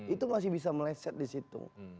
itu masih bisa meleset di situ